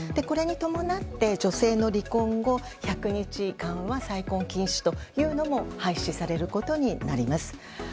これに伴って女性の離婚後１００日間は再婚禁止というのも廃止されることになります。